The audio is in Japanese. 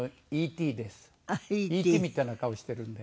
ＥＴみたいな顔してるんで。